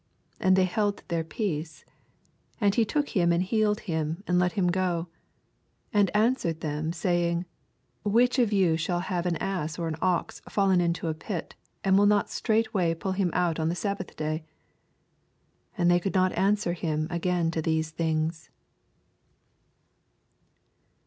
4 And they I eld their peace. Aiid he took himj and healed him, and let hhn so ; 6 Ana answered them, sapng, Whicli of you shall have an ass or an ox fallen into a pit, and will not strtughtway pull him out on the sab bath day ? 6 And they could not answer him again to these things.